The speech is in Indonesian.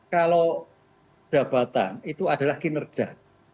kalau jabatan itu adalah kinerja